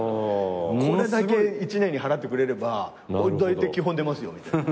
これだけ１年に払ってくれれば俺だいたい基本出ますよみたいな。